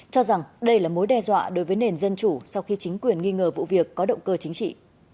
cho rằng đây là mối đe dọa đối với nền dân chủ sau khi chính quyền nghi ngờ vụ việc có động cơ chính trị